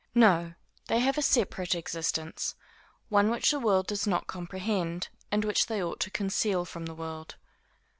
No, they have a separate existence, one which the world does not comprehend, and which they ought to conceal from the world.